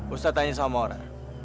ustaz tanya sama maura